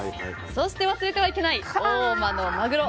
そして忘れてはいけない大間のマグロ。